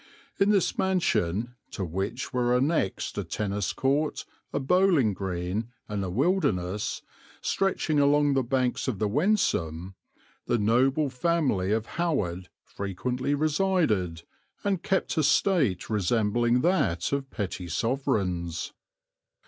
In this mansion, to which were annexed a tennis court, a bowling green and a wilderness, stretching along the banks of the Wensum, the noble family of Howard frequently resided, and kept a state resembling that of petty sovereigns.